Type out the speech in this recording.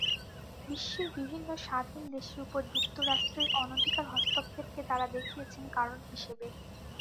বিশ্বের বিভিন্ন স্বাধীন দেশের ওপর যুক্তরাষ্ট্রের অনধিকার হস্তক্ষেপকে তাঁরা দেখিয়েছেন কারণ হিসেবে।